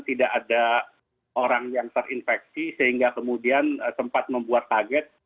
tidak ada orang yang terinfeksi sehingga kemudian sempat membuat kaget